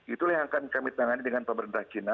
itulah yang akan kami tangani dengan pemerintah china